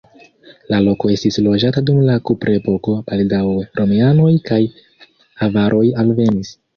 La loko estis loĝata dum la kuprepoko, baldaŭe romianoj kaj avaroj alvenis.